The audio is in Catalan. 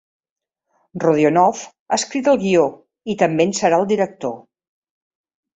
Rodionoff ha escrit el guió i també en serà el director.